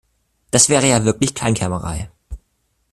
Das wäre ja wirklich Kleinkrämerei.